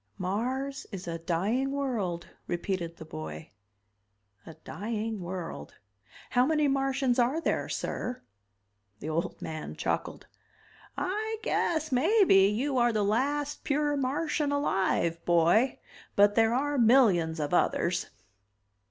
"Mars is a dying world," repeated the boy. "A dying world. How many Martians are there, sir?" The old man chuckled. "I guess maybe you are the last pure Martian alive, boy. But there are millions of others."